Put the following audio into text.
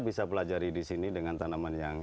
bisa pelajari di sini dengan tanaman yang